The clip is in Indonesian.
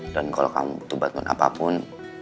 dan kalau kamu butuh bantuan apapun